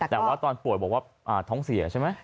แต่ว่าตอนป่วยบอกว่าท้องเสียใช่ไหม